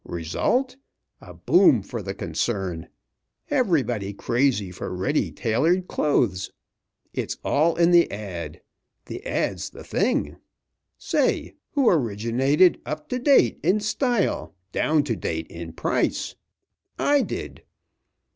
Result, a boom for the concern. Everybody crazy for Ready tailored clothes. It's all in the ad. The ad.'s the thing. Say, who originated 'up to date in style, down to date in price?' I did.